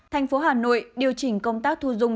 tp hà nội điều chỉnh công tác thu dụng